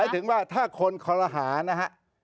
หมายถึงว่าถ้าคนคลาหานะครับ